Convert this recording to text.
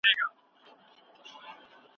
موټر په ډېره لنډه شېبه کې ودرېد.